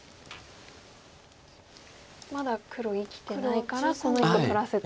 まだ黒生きてないからこの１個取らせて。